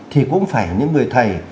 thì cũng phải những người thầy